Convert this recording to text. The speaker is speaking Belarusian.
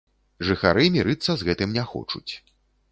Жыхары мірыцца з гэтым не хочуць.